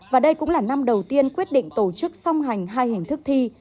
và đây cũng là năm đầu tiên quyết định tổ chức song hành hai hình thức thi